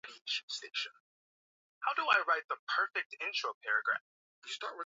mwaka jana enamuel makundi ana